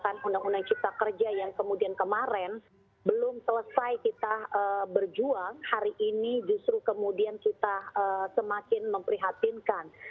karena undang undang cipta kerja yang kemudian kemarin belum selesai kita berjuang hari ini justru kemudian kita semakin memprihatinkan